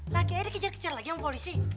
laki aja dia kejar kejar lagi sama polisi